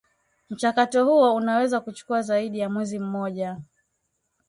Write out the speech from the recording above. mchakato huo unaweza kuchukua zaidi ya mwezi mmoja